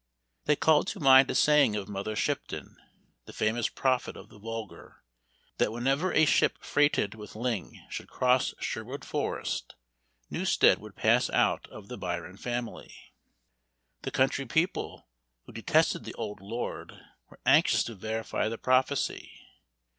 They called to mind a saying of Mother Shipton, the famous prophet of the vulgar, that whenever a ship freighted with ling should cross Sherwood Forest, Newstead would pass out of the Byron family. The country people, who detested the old Lord, were anxious to verify the prophecy.